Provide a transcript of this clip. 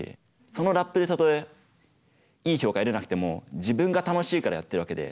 そのラップでたとえいい評価得れなくても自分が楽しいからやっているわけで。